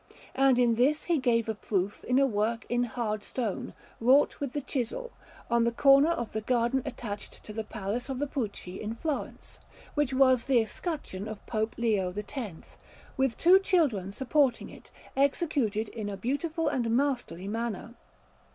And of this he gave a proof in a work in hard stone, wrought with the chisel, on the corner of the garden attached to the Palace of the Pucci in Florence; which was the escutcheon of Pope Leo X, with two children supporting it, executed in a beautiful and masterly manner.